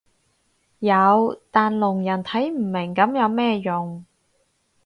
有但聾人睇唔明噉有咩用